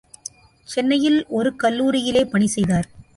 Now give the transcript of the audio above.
சென்னையில் ஒரு கல்லூரியிலே பணி செய்தார்.